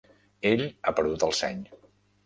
Ell ha perdut el seny.